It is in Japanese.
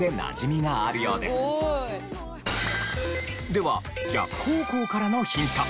では逆方向からのヒント。